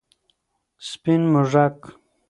سپین موږک 🐁